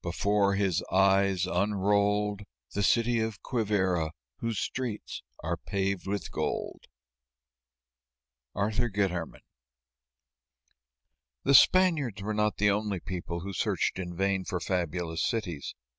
Before his eyes, unrolled The City of Quivíra whose streets are paved with gold. ARTHUR GUITERMAN. The Spaniards were not the only people who searched in vain for fabulous cities.